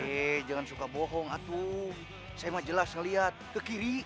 eh jangan suka bohong atuh saya mah jelas ngelihat ke kiri